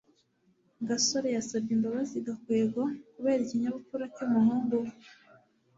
gasore yasabye imbabazi gakwego kubera ikinyabupfura cy'umuhungu we